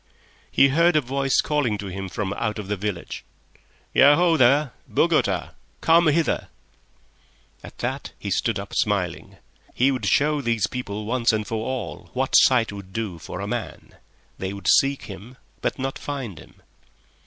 He heard a voice calling to him from out of the village. "Yaho there, Bogota! Come hither!" At that he stood up, smiling. He would show these people once and for all what sight would do for a man. They would seek him, but not find him.